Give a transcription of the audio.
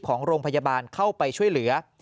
ของโรงพยาบาลเข้าไปช่วยเหลือ